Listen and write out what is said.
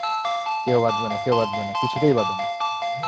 কেউ বাঁধবে না, কেউ বাঁধবে না, কিছুতেই বাঁধবে না।